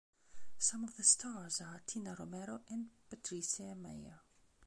Some of the stars are Tina Romero and Patricia Mayer.